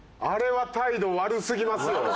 あれは態度悪すぎますよ。